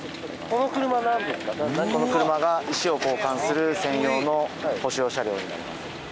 この車が石を交換する専用の舗装車両になります。